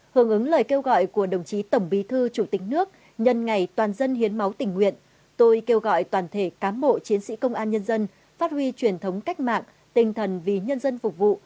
hưởng ứng lời kêu gọi của đồng chí tổng bí thư chủ tịch nước nhân ngày toàn dân hiến máu tình nguyện tôi kêu gọi toàn thể cán bộ chiến sĩ công an nhân dân phát huy truyền thống cách mạng tinh thần vì nhân dân phục vụ